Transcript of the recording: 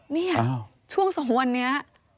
นี่ช่วงสองวันนี้